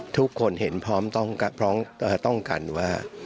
ทุกคนเห็นพร้อมต้องกันว่า